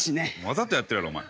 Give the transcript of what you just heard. わざとやってるやろお前。